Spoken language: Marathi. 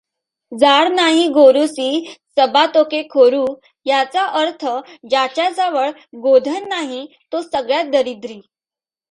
जार नाई गोरु सि सबातोके खोरु याचा अर्थ ज्याच्याजवळ गोधन नाही तो सगळ्यात दरिद्री.